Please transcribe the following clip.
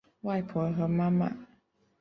外婆和妈妈